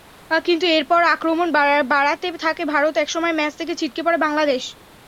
কিন্তু এরপর আক্রমণ বাড়াতে থাকে ভারত, একসময় ম্যাচ থেকে ছিটকে পড়ে বাংলাদেশ।